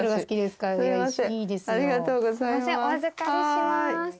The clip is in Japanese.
ありがとうございます。